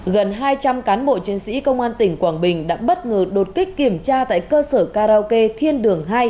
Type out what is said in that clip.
gần hai trăm linh cán bộ chiến sĩ công an tỉnh quảng bình đã bất ngờ đột kích kiểm tra tại cơ sở karaoke thiên đường hai